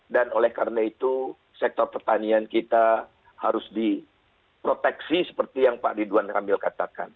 dan oleh karena itu sektor pertanian kita harus diproteksi seperti yang pak ridwan kambil katakan